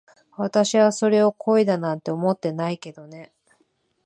私はそれを恋だなんて思ってないけどね。